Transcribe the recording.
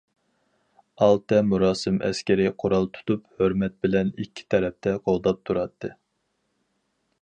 ئالتە مۇراسىم ئەسكىرى قورال تۇتۇپ ھۆرمەت بىلەن ئىككى تەرەپتە قوغداپ تۇراتتى.